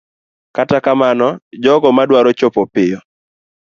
Kata kamano, jogo madwaro chopo piyo